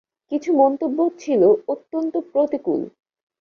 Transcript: কিছু মন্তব্য ছিল অত্যন্ত প্রতিকূল।